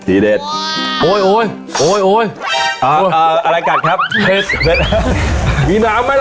อื้ออุ้ยอุ้ยอาอะไรกัดครับผู้เชียดผู้เชียดมีน้ำเหรอ